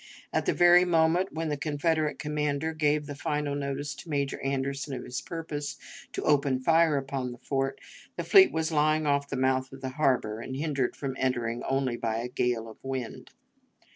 At the very moment when the Confederate commander gave the final notice to Major Anderson of his purpose to open fire upon the fort, that fleet was lying off the mouth of the harbor, and hindered from entering only by a gale of wind.